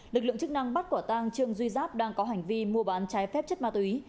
lực lượng chức năng bắt quả tang trương duy giáp đang có hành vi mua bán trái phép chất ma túy